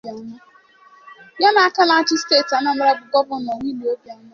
ya na aka na-achị steeti Anambra bụ Gọvanọ Willie Obianọ